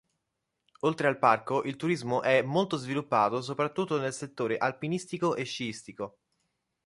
Oltre al parco il turismo è molto sviluppato soprattutto nel settore alpinistico e sciistico.